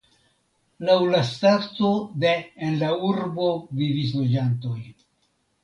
Laŭ la stato de en la urbo vivis loĝantoj.